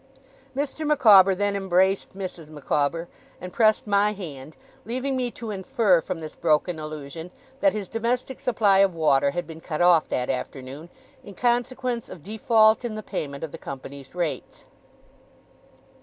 Mr. Micawber then embraced Mrs. Micawber, and pressed my hand; leaving me to infer from this broken allusion that his domestic supply of water had been cut off that afternoon, in consequence of default in the payment of the company's rates.